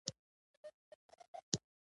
کرنه د خوراکي موادو د خودکفایۍ وسیله ده.